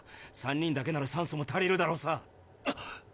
３人だけなら酸素も足りるだろうさ。